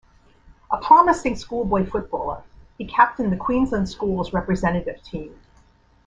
A promising schoolboy footballer, he captained the Queensland schools' representative team.